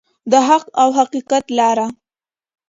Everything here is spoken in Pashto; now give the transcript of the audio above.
د حق او حقیقت لاره.